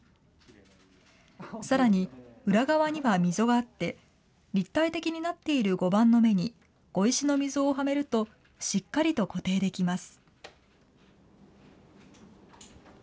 さらに、裏側には溝があって、立体的になっている碁盤の目に、碁石の溝をはめると、しっかりと固定できます。